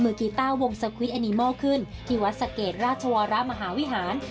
กีต้าวงสควิตแอนิมอลขึ้นที่วัดสะเกดราชวรมหาวิหาร